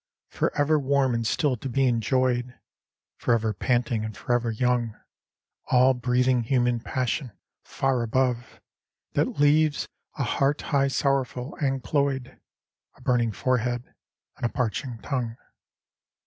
Forever warm and still to be enjoy'd, Forever panting, and forever young; All breathing human passion far above. That leaves a heart high sorrowful and cloy'd, A burning forehead, and a parching tongue.